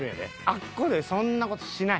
あっこでそんな事しない。